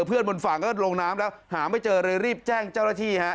บนฝั่งก็ลงน้ำแล้วหาไม่เจอเลยรีบแจ้งเจ้าหน้าที่ฮะ